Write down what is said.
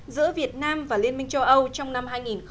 giữa việt nam và liên minh châu âu trong năm hai nghìn một mươi tám